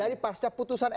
jadi pasca putusan